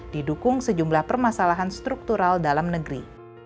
didukung sejumlah permasalahan struktural dalam negeri